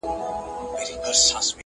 ماچي سکروټي په غاښو چیچلې.!